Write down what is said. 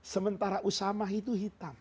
sementara usamah itu hitam